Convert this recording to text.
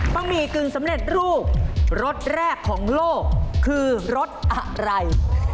หมี่กึ่งสำเร็จรูปรสแรกของโลกคือรสอะไร